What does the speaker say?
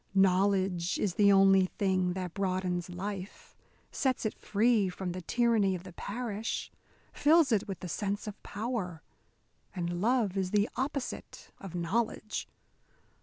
Knowledge is the only thing that broadens life, sets it free from the tyranny of the parish, fills it with the sense of power. And love is the opposite of knowledge.